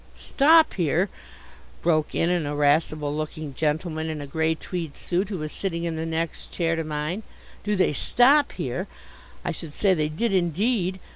"Stop here!" broke in an irascible looking gentleman in a grey tweed suit who was sitting in the next chair to mine. "Do they stop here? I should say they did indeed.